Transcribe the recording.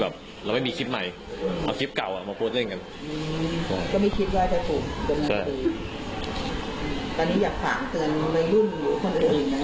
แบบเราไม่มีคลิปใหม่เอาคลิปเก่าอ่ะมาโพสต์เล่นกันอืมก็ไม่คิดว่าจะถูกกำลัง